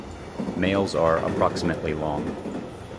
Males are approximately long.